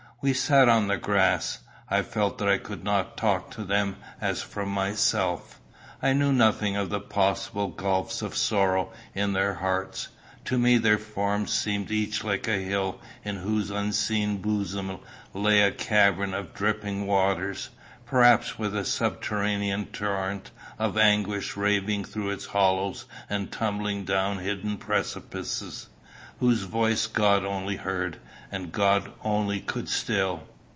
We sat on the grass. I felt that I could not talk to them as from myself. I knew nothing of the possible gulfs of sorrow in their hearts. To me their forms seemed each like a hill in whose unseen bosom lay a cavern of dripping waters, perhaps with a subterranean torrent of anguish raving through its hollows and tumbling down hidden precipices, whose voice God only heard, and God only could still.